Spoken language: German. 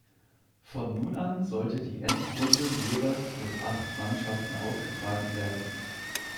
Von nun an sollte die Endrunde jeweils mit acht Mannschaften ausgetragen werden.